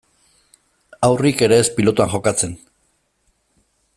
Haurrik ere ez pilotan jokatzen.